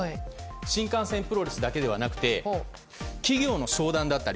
新幹線プロレスだけでなく企業の商談だったり